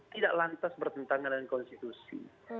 tidak lantas bertentangan dengan konstitusi